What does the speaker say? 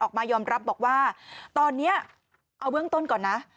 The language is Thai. ออกมายอมรับบอกว่าตอนนี้เอาเบื้องต้นก่อนนะ